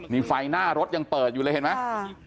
นี่ไฟหน้ารถยังเปิดอยู่เลยเห็นไหม